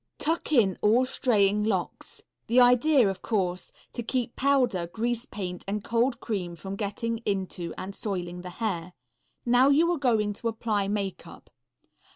Tuck in all straying locks. The idea is, of course, to keep powder, grease paint and cold cream from getting into and soiling the hair. Now you are going to apply makeup.